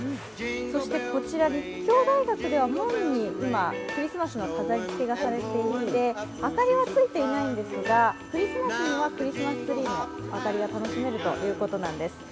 そしてこちら、立教大学では門に今クリスマスの飾りつけがされていて明かりはついていないんですが、クリスマスにはクリスマスツリーの明かりが楽しめるということなんです。